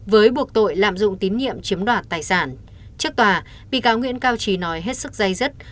với buộc tội lạm dụng tín nhiệm chiếm đoạt tài sản trước tòa bị cáo nguyễn cao trí nói hết sức dây dứt